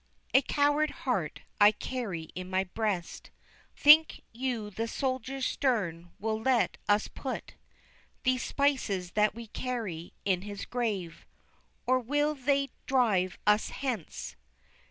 A coward heart I carry in my breast, Think you the soldiers stern will let us put These spices that we carry, in his grave, Or will they drive us hence?